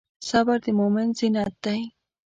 صبر د مؤمن زینت دی.